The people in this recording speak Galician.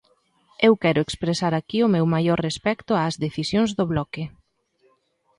Eu quero expresar aquí o meu maior respecto ás decisións do Bloque.